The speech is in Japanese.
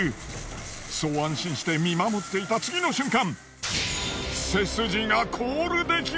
そう安心して見守っていた次の瞬間。